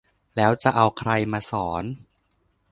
แล้วจะเอาใครมาสอน ?